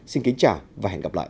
xin kính chào và hẹn gặp lại